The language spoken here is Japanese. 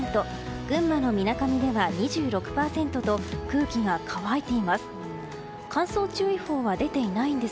群馬のみなかみでは２６％と空気が乾いています。